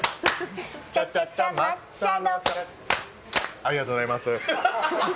ありがとうございます。